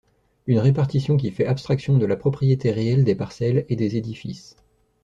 Une répartition qui fait abstraction de la propriété réelle des parcelles et des édifices.